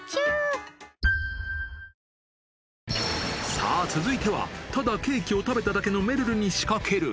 さあ、続いては、ただケーキを食べただけのめるるに仕掛ける。